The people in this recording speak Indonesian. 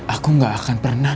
aku gak akan pernah